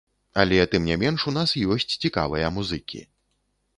Але, тым не менш, у нас ёсць цікавыя музыкі.